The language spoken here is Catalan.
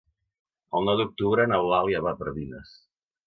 El nou d'octubre n'Eulàlia va a Pardines.